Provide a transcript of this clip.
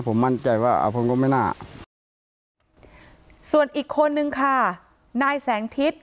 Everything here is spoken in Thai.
ผมมั่นใจว่าอ่าผมก็ไม่น่าส่วนอีกคนนึงค่ะนายแสงทิศ